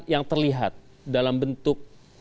yang terlihat dalam bentuk